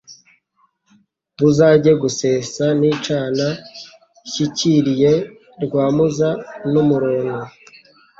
Buzajye gusesa nicana, nshyikiliye Rwamuza n'umuronko